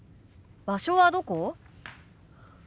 場所はどこ？